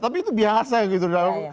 tapi itu biasa gitu